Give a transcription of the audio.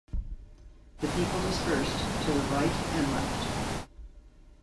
The people dispersed to the right and left.